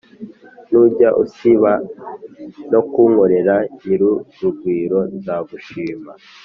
Ntujya usiba no kunkoreraNyir’urugwiro nzagushima